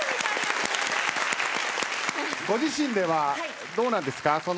ご自身ではどうなんですか？